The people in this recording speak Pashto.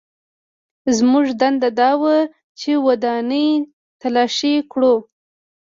زموږ دنده دا وه چې ودانۍ تلاشي کړو